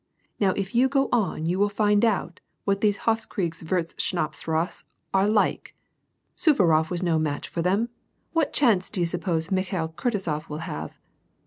Now if you go on you will find out what these Hofskriegswurstschnapsraths are like. Suvarof was no match for them : what chance do you suppose Mikhail Kutuzof will have